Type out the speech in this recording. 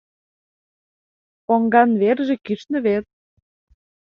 Поҥган верже кӱшнӧ вет.